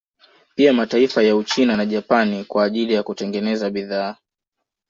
Pia mataifa ya Uchina na Japan kwa ajili ya kutengeneza bidhaa